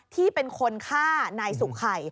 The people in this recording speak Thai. ที่เป็นคนฆ่านายสุขัย